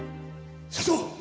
社長！